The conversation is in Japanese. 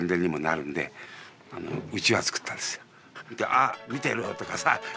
「あっ見てる！」とかさ